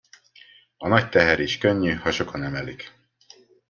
A nagy teher is könnyű, ha sokan emelik.